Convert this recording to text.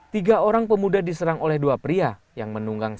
tiga orang pemuda diserang oleh dua pria yang menunggang